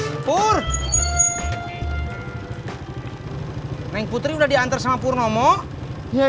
apk jullie tuh still gak sampai best ya